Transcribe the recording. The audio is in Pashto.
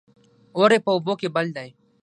اور يې په اوبو کې بل دى